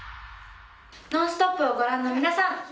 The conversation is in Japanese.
「ノンストップ！」をご覧の皆さん